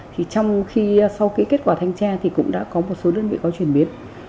trong khi sau kết quả thanh tra thì cũng đã có một số đơn vị có chuyển biến